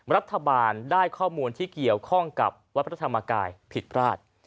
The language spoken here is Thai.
รัฐบาลได้ข้อมูลที่เกี่ยวข้องกับวัดพระธรรมกายผิดพลาด